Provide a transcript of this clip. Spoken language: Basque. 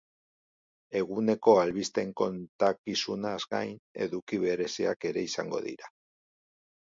Eguneko albisteen kontakizunaz gain, eduki bereziak ere izango dira.